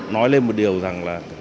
nói lên một điều rằng là